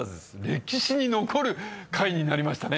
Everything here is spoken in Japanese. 歴史に残る回になりましたね